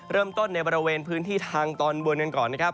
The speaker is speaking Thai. เริ่มต้นในบริเวณพื้นที่ทางตอนบนกันก่อนนะครับ